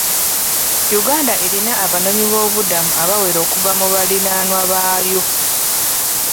Uganda erina abanoonyiboobubudamu abawera okuva mu baliraanwa baayo.